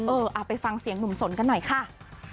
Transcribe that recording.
เอาไปฟังเสียงหนุ่มสนกันหน่อยค่ะ